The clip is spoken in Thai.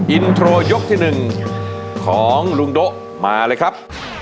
อินโทรยกที่๑ของลุงโด๊ะมาเลยครับ